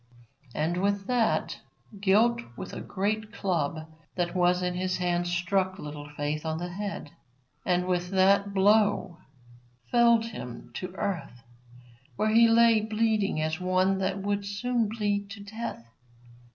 And, with that, Guilt with a great club that was in his hand struck Little Faith on the head, and with that blow felled him to the earth, where he lay bleeding as one that would soon bleed to death.